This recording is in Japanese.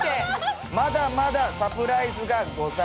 まだまだサプライズがございます。